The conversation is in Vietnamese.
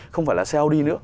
không phải là xe audi nữa